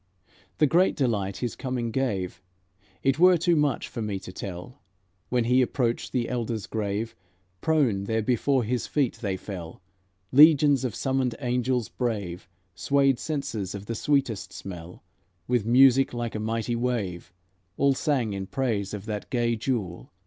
The great delight His coming gave, It were too much for me to tell. When He approached the Elders grave, Prone there before His feet they fell; Legions of summoned angels brave Swayed censers of the sweetest smell; With music like a mighty wave, All sang in praise of that gay Jewel.